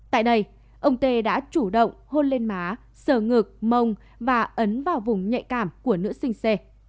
tại đây ông t đã chủ động hôn lên má sờ ngực mông và ấn vào vùng nhạy cảm của nữ sinh c